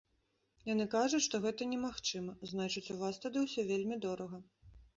Яны кажуць, што гэта немагчыма, значыць, у вас тады ўсё вельмі дорага.